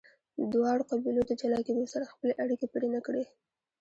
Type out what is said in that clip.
دواړو قبیلو د جلا کیدو سره خپلې اړیکې پرې نه کړې.